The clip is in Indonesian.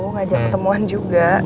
ngajak pertemuan juga